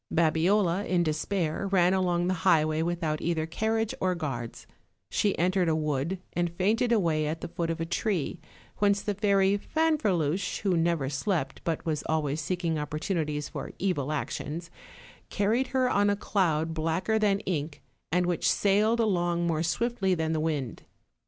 Babiola, in despair, ran along the highway without either carriage or guards; she entered a wood, and fainted away at the foot of a tree, whence the Fairy Fanferluche, who never slept, but was always seeking opportunities for evil actions, carried her on a cloud blacker than ink, and which sailed along more swiftly than the wind.